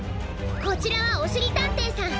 こちらはおしりたんていさん。